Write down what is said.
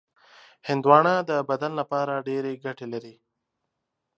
هندوانه د بدن لپاره ډېرې ګټې لري.